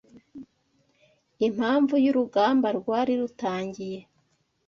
impamvu y’urugamba rwari rutangiye